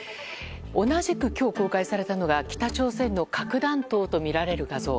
同じく今日公開されたのが北朝鮮の核弾頭とみられる画像。